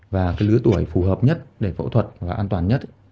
và cái lứa tuổi phù hợp nhất để phẫu thuật và an toàn nhất